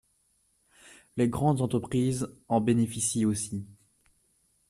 Les grandes entreprises en bénéficient aussi.